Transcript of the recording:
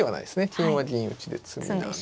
金は銀打ちで詰みなんで。